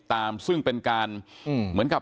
สวัสดีคุณผู้ชมครับสวัสดีคุณผู้ชมครับ